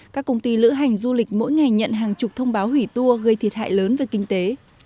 các công ty lữ hành du lịch mỗi ngày nhận hàng chục thông báo hủy tour gây thiệt hại lớn về kinh tế